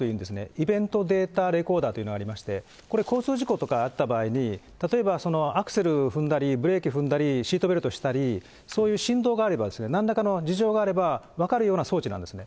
イベントデータレコーダーというのがありまして、これ、交通事故とかあった場合に、例えばそのアクセルを踏んだり、ブレーキ踏んだり、シートベルトしたり、そういう振動があれば、なんらかの異常があれば分かるような装置なんですね。